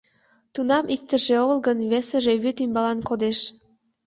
Тунам иктыже огыл гын, весыже вӱд ӱмбалан кодеш.